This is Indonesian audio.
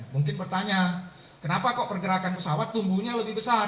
mungkin bertanya kenapa kok pergerakan pesawat tumbuhnya lebih besar dua puluh tujuh persen